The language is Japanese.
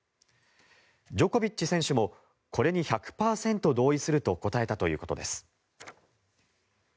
ジョコビッチ選手もこれに１００％同意すると答えたということです。